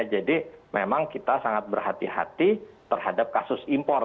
jadi memang kita sangat berhati hati terhadap kasus impor